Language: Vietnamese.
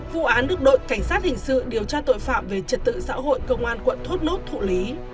vụ án được đội cảnh sát hình sự điều tra tội phạm về trật tự xã hội công an quận thốt nốt thụ lý